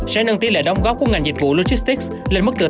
sẽ nâng tỷ lệ đóng góp của ngành dịch vụ logistics lên mức từ tám một mươi gdp